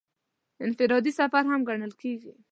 انفرادي سفر هم ګڼل کېږي.